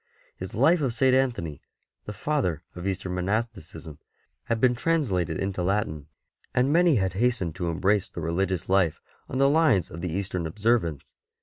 His life of St. Anthony, the Father of Eastern monasticism, had been translated into Latin, and many had hastened 40 ST. BENEDICT to embrace the religious life on the lines of the Eastern observance.